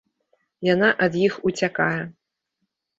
Яна ад іх уцякае.